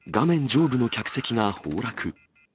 上部の客席が崩落。